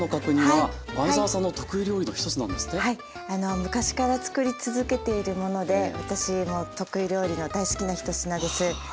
あの昔から作り続けているもので私の得意料理の大好きな一品です。